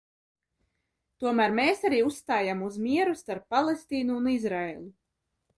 Tomēr mēs arī uzstājam uz mieru starp Palestīnu un Izraēlu.